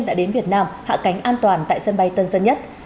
đã đến việt nam hạ cánh an toàn tại sân bay tân sơn nhất